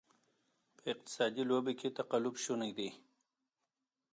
په اقتصادي لوبه کې تقلب شونې دی.